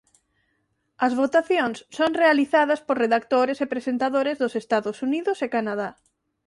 As votacións son realizadas por redactores e presentadores dos Estados Unidos e Canadá.